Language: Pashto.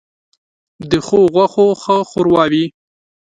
ـ د ښو غوښو ښه ښوروا وي.